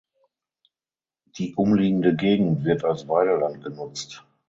Die umliegende Gegend wird als Weideland genutzt.